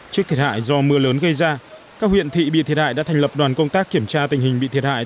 trước thiệt hại do mưa lớn gây ra các huyện thị bị thiệt hại đã thành lập đoàn công tác kiểm tra tình hình bị thiệt hại